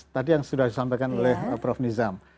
tadi yang sudah disampaikan oleh prof nizam